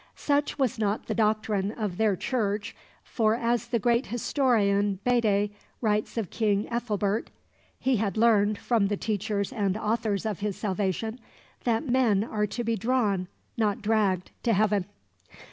Such was not the doctrine of their Church, for as the great historian Bede writes of King Ethelbert: "He had learned, from the teachers and authors of his salvation, that men are to be drawn, not dragged, to heaven."